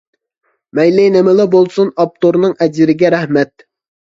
مەيلى نېمىلا بولسۇن، ئاپتورنىڭ ئەجرىگە رەھمەت.